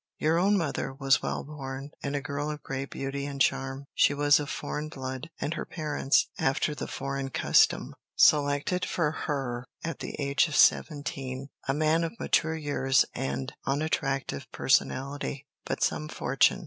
Your own mother was well born, and a girl of great beauty and charm. She was of foreign blood, and her parents, after the foreign custom, selected for her, at the age of seventeen, a man of mature years and unattractive personality, but some fortune.